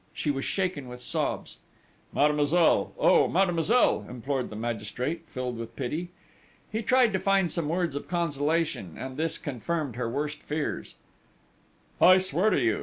She was shaken with sobs. "Mademoiselle!... Oh, mademoiselle!" implored the magistrate, filled with pity. He tried to find some words of consolation, and this confirmed her worst fears: "I swear to you!...